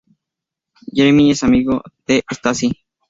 Jeremy es amigo de Stacy.